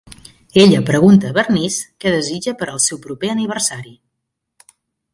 Ella pregunta a Bernice què desitja per al seu proper aniversari.